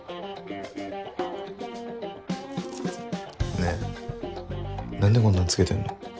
ねえ何でこんなん付けてんの？